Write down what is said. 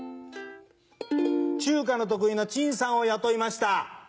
中華の得意なチンさんを雇いました。